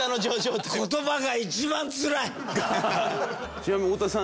ちなみに太田さん